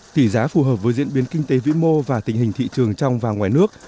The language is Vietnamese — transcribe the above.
tỷ giá phù hợp với diễn biến kinh tế vĩ mô và tình hình thị trường trong và ngoài nước